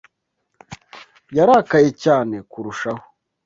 yararakaye cyane kurushaho.